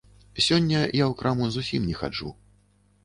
Сёння я ў краму зусім не хаджу.